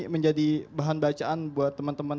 menjadi bahan bacaan buat teman teman